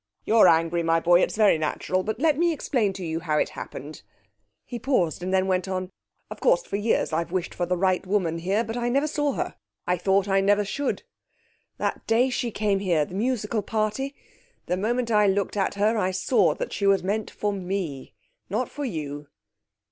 'You're angry, my boy. It's very natural; but let me explain to you how it happened.' He paused, and then went on: 'Of course, for years I've wished for the right woman here. But I never saw her. I thought I never should. That day she came here the musical party the moment I looked at her, I saw that she was meant for me, not for you.'